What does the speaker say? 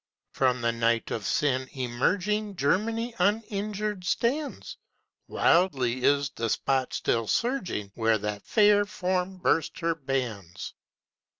From the night of sin emerging Germany uninjured stands; Wildly is the spot still surging, Where that fair form burst her bands.